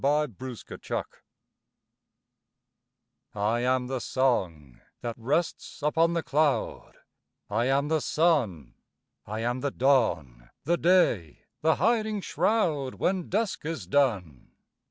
I AM THE WORLD I am the song, that rests upon the cloud; I am the sun: I am the dawn, the day, the hiding shroud, When dusk is done.